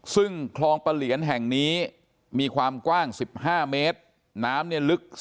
ซึ่งคลองปะเหลียนแห่งนี้มีความกว้าง๑๕เมตรน้ำเนี่ยลึก